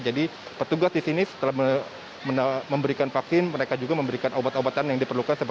jadi petugas di sini setelah memberikan vaksin mereka juga memberikan obat obatan yang diperlukan